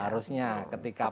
harusnya ketika apalagi